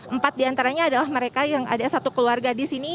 empat diantaranya adalah mereka yang ada satu keluarga di sini